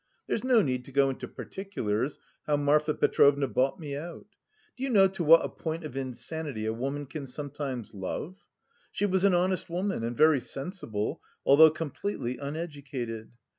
There's no need to go into particulars how Marfa Petrovna bought me out; do you know to what a point of insanity a woman can sometimes love? She was an honest woman, and very sensible, although completely uneducated.